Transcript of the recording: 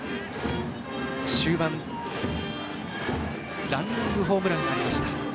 終盤、ランニングホームランがありました。